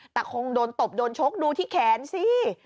แต่คงโดนตบโดนชกดูที่แขนสิ